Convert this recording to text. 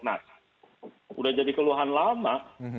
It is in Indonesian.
nah udah jadi keluhan lama